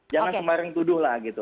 jangan kemarin tuduh lah gitu